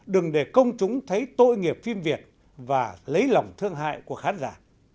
đừng để công chúng thấy tội nghiệp phim việt và lấy lòng thương hại của khán giả